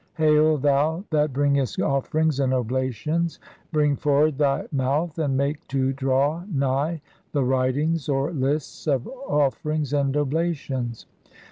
Hail, "thou that bringest offerings and oblations, bring forward thy "mouth and make to draw nigh the writings (9) (or lists) of "offerings and oblations.